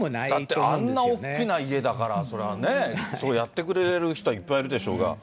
だってあんな大きな家だから、そりゃね、やってくれる人はいっぱいいるでしょうが。